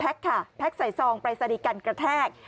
แพ็กซ์ค่ะแพ็กซ์ใส่ซองไปสนิกันกระแทก